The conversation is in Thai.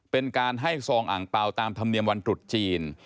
เป็นการให้ซองอ่างเปล่าตามธรรมเนียมวันตรุษจีน